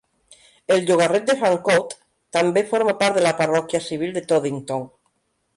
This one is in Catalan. El llogarret de Fancott també forma part de la parròquia civil de Toddington.